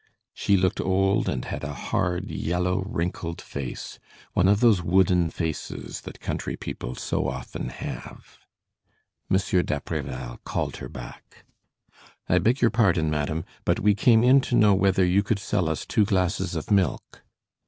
She looked old and had a hard, yellow, wrinkled face, one of those wooden faces that country people so often have. Monsieur d'Apreval called her back. "I beg your pardon, madame, but we came in to know whether you could sell us two glasses of milk."